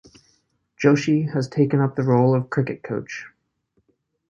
Joshi has taken up the role of cricket coach.